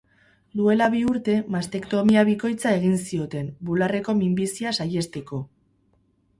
Duela bi urte mastektomia bikoitza egin zioten, bularreko minbizia saihesteko.